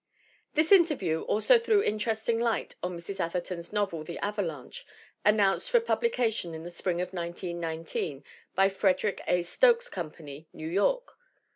This interview also threw interesting light on Mrs. Atherton's novel, The Avalanche, announced for pub lication in the spring of 1919 by Frederick A. Stokes Company, New York.